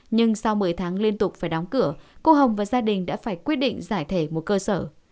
nhưng sau một mươi tháng liên tục phải đóng cửa cô hồng và gia đình đã phải quyết định giải thể một cơ sở